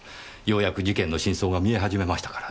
ようやく事件の真相が見え始めましたからね。